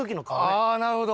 ああなるほど。